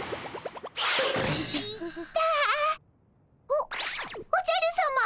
おおじゃるさま！